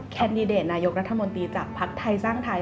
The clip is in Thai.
แคนดิเดตนายกรัฐมนตรีจากภักดิ์ไทยสร้างไทย